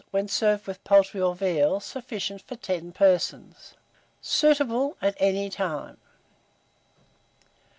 when served with poultry or veal, sufficient for 10 persons. Seasonable at any time.